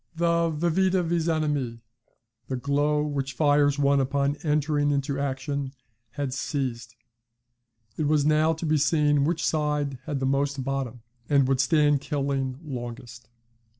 "The 'vivida vis animi' the glow which fires one upon entering into action had ceased; it was now to be seen which side had most bottom, and would stand killing longest.